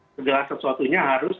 segala sesuatunya harus